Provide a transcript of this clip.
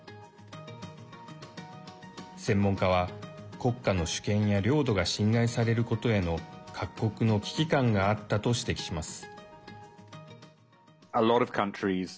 専門家は、国家の主権や領土が侵害されることへの各国の危機感があったと指摘します。